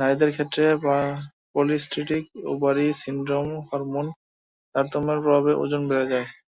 নারীদের ক্ষেত্রে polycystic ovary syndrome হরমোনের তারতম্যের প্রভাবে ওজন বেড়ে যায়।